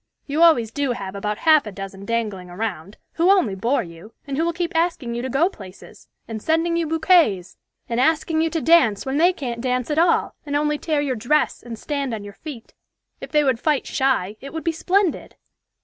You always do have about half a dozen dangling around, who only bore you, and who will keep asking you to go to places, and sending you bouquets, and asking you to dance when they can't dance at all, and only tear your dress, and stand on your feet. If they would 'fight shy,' it would be splendid."